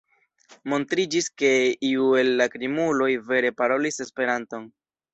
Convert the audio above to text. Montriĝis, ke iu el la krimuloj vere parolis Esperanton.